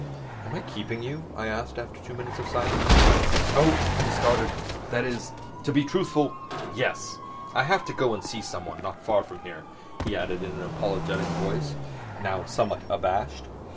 "Am I keeping you?" I asked, after two minutes of silence. "Oh!" he said, starting, "that is—to be truthful—yes. I have to go and see someone ... not far from here," he added in an apologetic voice, somewhat abashed.